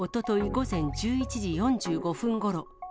午前１１時４５分ごろ。